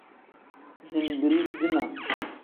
Zinbirii-dinaa.